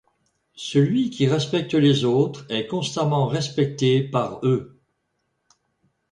Celui qui respecte les autres est constamment respecté par eux.